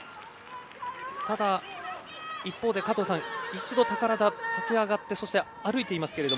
ただ、一方で加藤さん宝田は一度、立ち上がってそして歩いていますが。